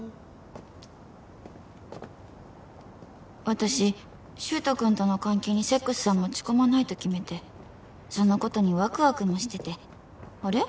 私柊人君との関係にセックスは持ち込まないと決めてそのことにワクワクもしててあれ？